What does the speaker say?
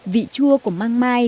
vị chua của măng mai